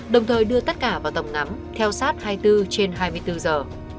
đồng thời đưa tất cả vào tầm ngắm theo sát hai tư trên hai mươi bốn giờ